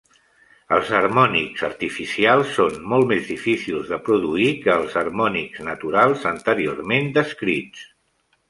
Els harmònics artificials són molt més difícils de produir que els harmònics naturals anteriorment descrits.